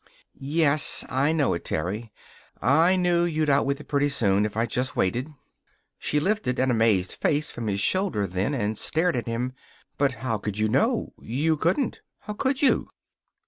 "Yes, I know it, Terry. I knew you'd out with it, pretty soon, if I just waited." She lifted an amazed face from his shoulder then, and stared at him. "But how could you know? You couldn't! How could you?"